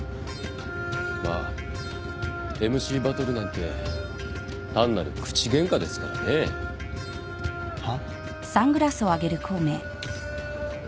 まあＭＣバトルなんて単なる口ゲンカですからね。は？